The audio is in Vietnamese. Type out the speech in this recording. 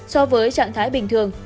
so với trạng thái bình thường